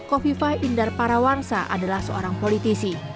kofifah indar parawangsa adalah seorang politisi